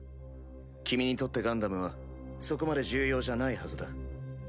君にとってガンダムはそこまで重要じゃないはずだ。